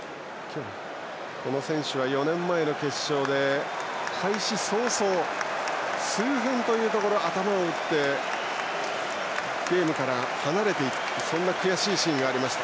この選手は４年前の決勝で開始早々、数分というところで頭を打ってゲームから離れていくという悔しいシーンがありました。